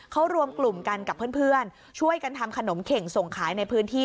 เขารวมกลุ่มกันกับเพื่อนช่วยกันทำขนมเข่งส่งขายในพื้นที่